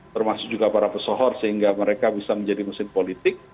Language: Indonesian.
termasuk juga para pesohor sehingga mereka bisa menjadi mesin politik